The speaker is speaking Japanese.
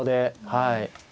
はい。